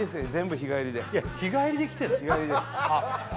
日帰りです